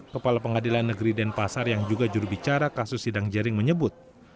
kepala pengadilan negeri denpasar yang juga jurubicara kasus sidang jering menyebut